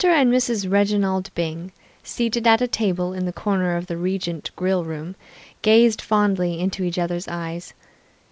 and Mrs. Reginald Byng, seated at a table in the corner of the Regent Grill Room, gazed fondly into each other's eyes.